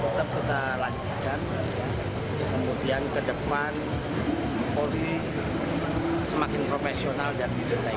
tetap kita lanjutkan kemudian ke depan polri semakin profesional dan dicintai